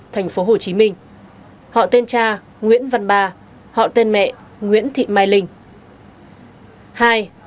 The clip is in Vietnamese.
tp hcm họ tên cha nguyễn văn ba họ tên mẹ nguyễn thị mai linh